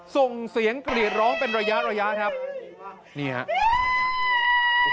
ส่งเสียงกรีดร้องเป็นระยะระยะครับนี่ครับ